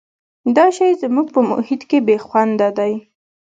دا شی زموږ په محیط کې بې خونده دی.